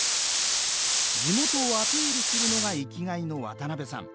地元をアピールするのが生きがいの渡邉さん。